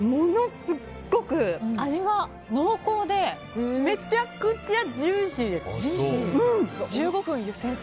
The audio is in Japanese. すっごく味が濃厚でめちゃくちゃジューシーです。